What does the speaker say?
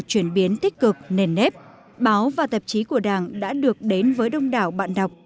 chuyển biến tích cực nền nếp báo và tạp chí của đảng đã được đến với đông đảo bạn đọc